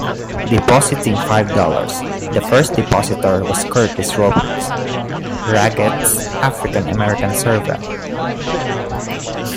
Depositing five dollars, the first depositor was Curtis Roberts, Raguet's African American servant.